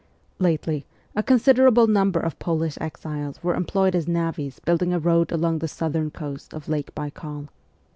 Lately, a considerable number of Polish exiles were employed as navvies building a road along the southern coast of Lake Baikal.